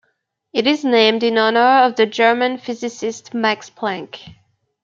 It is named in honor of the German physicist Max Planck.